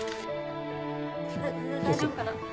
大丈夫かな？